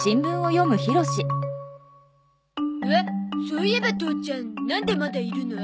そういえば父ちゃんなんでまだいるの？